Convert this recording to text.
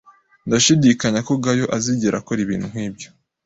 Ndashidikanya ko Gayo azigera akora ibintu nkibyo.